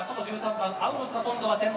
アウロスが今度は先頭。